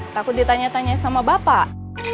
takut ditanya tanya sama bapak